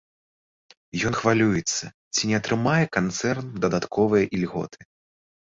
Ён хвалюецца, ці не атрымае канцэрн дадатковыя ільготы.